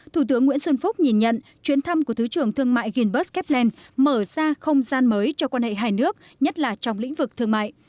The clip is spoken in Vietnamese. thủ tướng nguyễn xuân phúc nhìn nhận chuyến thăm của thứ trưởng thương mại ginbert kepland mở ra không gian mới cho quan hệ hai nước nhất là trong lĩnh vực thương mại